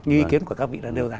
như ý kiến của các vị đã nêu ra